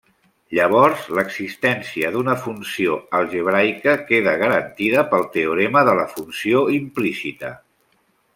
Llavors l'existència d'una funció algebraica queda garantida pel teorema de la funció implícita.